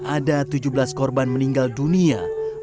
ada tujuh belas korban meninggal dunia